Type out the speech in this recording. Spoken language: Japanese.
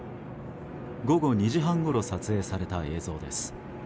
午後２時半ごろ撮影された映像です。